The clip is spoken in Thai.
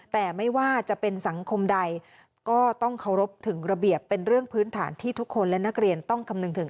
แต่ไม่ว่าจะเป็นสังคมใดก็ต้องเคารพถึงระเบียบเป็นเรื่องพื้นฐานที่ทุกคนและนักเรียนต้องคำนึงถึง